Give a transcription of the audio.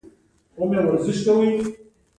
بدن تود دی.